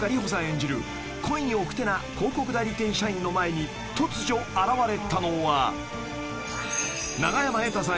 演じる恋に奥手な広告代理店社員の前に突如現れたのは永山瑛太さん